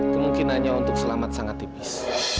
kemungkinannya untuk selamat sangat tipis